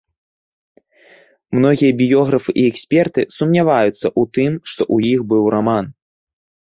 Многія біёграфы і эксперты сумняваюцца ў тым, што ў іх быў раман.